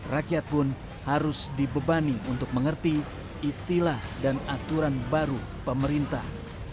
rakyat pun harus dibebani untuk mengerti istilah dan aturan baru pemerintah